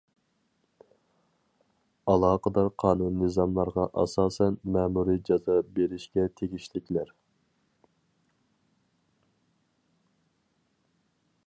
ئالاقىدار قانۇن- نىزاملارغا ئاساسەن مەمۇرىي جازا بېرىشكە تېگىشلىكلەر.